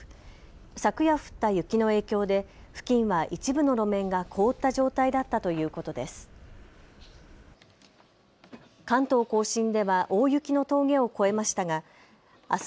昨夜、降った雪の影響で付近は一部の路面が凍った状態だったということです。